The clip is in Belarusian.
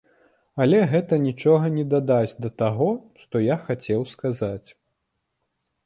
Але гэта нічога не дадасць да таго, што я хацеў сказаць.